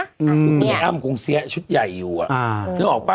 คุณอ้ำคงเสียชุดใหญ่อยู่อะนึกออกป่ะ